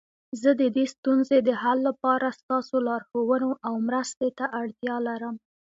زه د دې ستونزې د حل لپاره ستاسو لارښوونو او مرستي ته اړتیا لرم